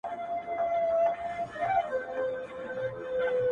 کلي به سوځو جوماتونه سوځو-